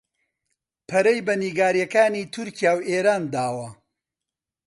پەرەی بە نیگەرانییەکانی تورکیا و ئێران داوە